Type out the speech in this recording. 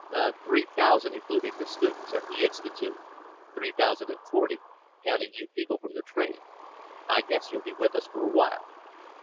"Three thousand, including the students at the institute. Three thousand and forty, counting you people from the train. I guess you'll be with us for a while."